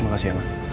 makasih ya ma